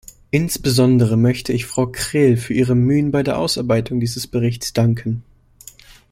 Insbesondere möchte ich Frau Krehl für ihre Mühen bei der Ausarbeitung dieses Berichts danken.